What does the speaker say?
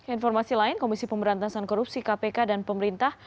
informasi lain komisi pemberantasan korupsi kpk dan pemerintah